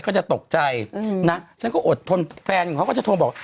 ก็จะตกใจนะฉันก็อดทนแฟนของเขาก็จะโทรบอก